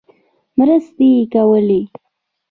مرستې کولې.